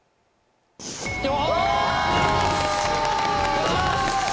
よし！